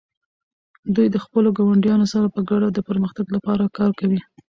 دوی د خپلو ګاونډیانو سره په ګډه د پرمختګ لپاره کار کوي.